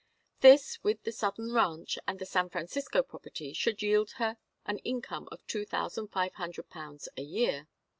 This, with the southern ranch and the San Francisco property, should yield her an income of two thousand five hundred pounds a year.